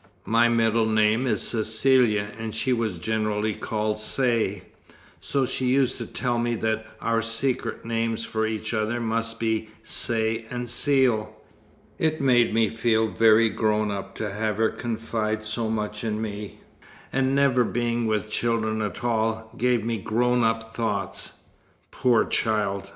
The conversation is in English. My middle name is Cecilia, and she was generally called Say; so she used to tell me that our secret names for each other must be 'Say and Seal.' It made me feel very grown up to have her confide so much in me: and never being with children at all, gave me grown up thoughts." "Poor child!"